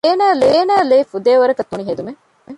އޭނާއަށް ލެވިފައި ހުރީ ފުދޭވަރަކަށް ތުނި ހެދުމެއް